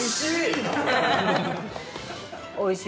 おいしい！